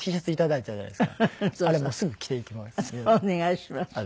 お願いします。